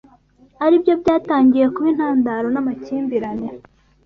aribyo byatangiye kuba intandaro n’amakimbirane